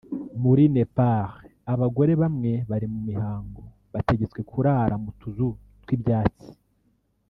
muri Nepal abagore bamwe bari mu mihango bategetswe kurara mu tuzu tw’ ibyatsi